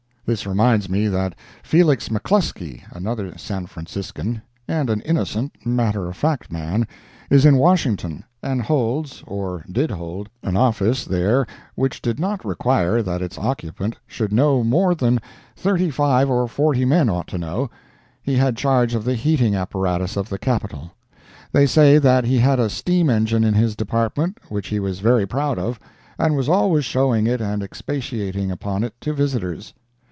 This reminds me that Felix McClusky, another San Franciscan, and an innocent, matter of fact man, is in Washington, and holds, or did hold, an office there which did not require that its occupant should know more than thirty five or forty men ought to know—he had charge of the heating apparatus of the Capitol. They say that he had a steam engine in his department which he was very proud of, and was always showing it and expatiating upon it to visitors.